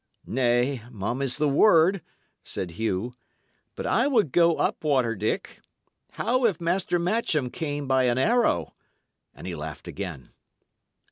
"Nay, mum is the word," said Hugh. "But I would go up water, Dick. How if Master Matcham came by an arrow?" and he laughed again.